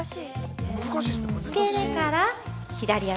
◆付け根から左足。